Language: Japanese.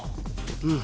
うん。